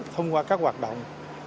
thông qua các hoạt động